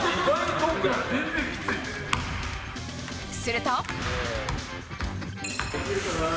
すると。